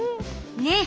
ねっ。